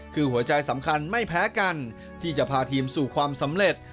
คือหัวใจสำคัญไม่แพ้กันที่จะพาทีมสู่ความสำเร็จ